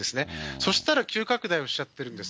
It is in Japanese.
そしたら急拡大をしちゃってるんです。